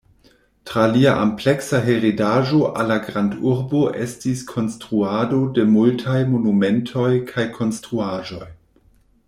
Tra lia ampleksa heredaĵo al la grandurbo estis konstruado de multaj monumentoj kaj konstruaĵoj.